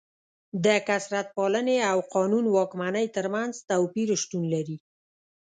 د کثرت پالنې او قانون واکمنۍ ترمنځ توپیر شتون لري.